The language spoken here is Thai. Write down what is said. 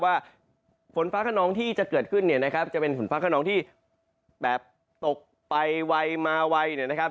ว่าฝนฟ้าขนองที่จะเกิดขึ้นเนี่ยนะครับจะเป็นฝนฟ้าขนองที่แบบตกไปไวมาไวเนี่ยนะครับ